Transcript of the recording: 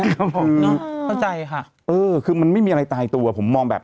ครับผมเข้าใจค่ะเออคือมันไม่มีอะไรตายตัวผมมองแบบ